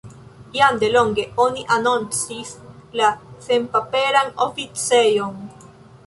Jam delonge oni anoncis la senpaperan oficejon.